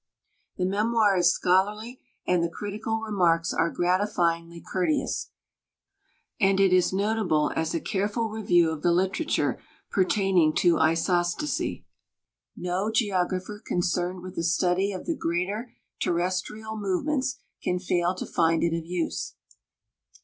The memoir is scholarly and the critical remarks are gratifyingly courteous, and it is notable as a careful review' of the literature pertaining to isostasy. No geographer concerned with the study of the greater terrestrial movements can fail to find it of use.